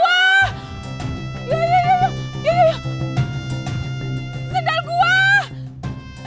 ya ya ya ya sendal gua